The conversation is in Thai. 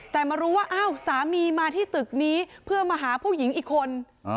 แต่มารู้ว่าอ้าวสามีมาที่ตึกนี้เพื่อมาหาผู้หญิงอีกคน